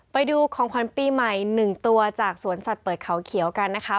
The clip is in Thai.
ไปดูของขวัญปีใหม่๑ตัวจากสวนสัตว์เปิดเขาเขียวกันนะคะ